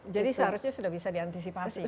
jadi seharusnya sudah bisa diantisipasi kan